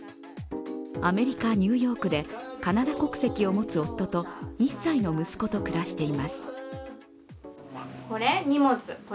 アメリカ・ニューヨークでカナダ国籍を持つ夫と２歳の息子と暮らしています。